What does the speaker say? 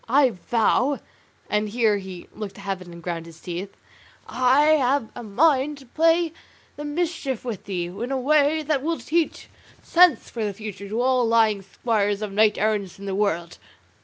I vow" (and here he looked to heaven and ground his teeth) "I have a mind to play the mischief with thee, in a way that will teach sense for the future to all lying squires of knights errant in the world."